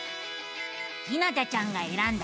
ひなたちゃんがえらんだ